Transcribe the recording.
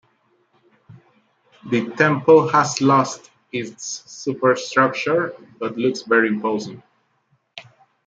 The temple has lost its superstructure but looks very imposing.